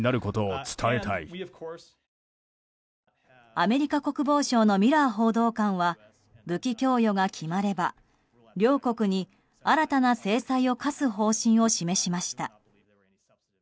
アメリカ国防省のミラー報道官は武器供与が決まれば、両国に新たな制裁を科す方針を示しました。